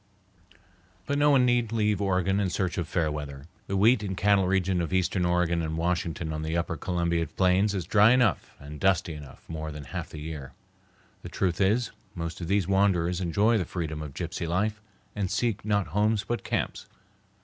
But no one need leave Oregon in search of fair weather. The wheat and cattle region of eastern Oregon and Washington on the upper Columbia plains is dry enough and dusty enough more than half the year. The truth is, most of these wanderers enjoy the freedom of gypsy life and seek not homes but camps.